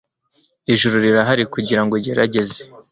ijuru rirahari kugirango ugerageze